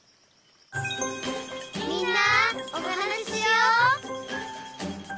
「みんなおはなししよう」